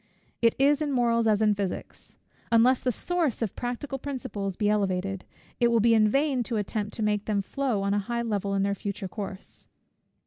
It is in morals as in physics; unless the source of practical principles be elevated, it will be in vain to attempt to make them flow on a high level in their future course.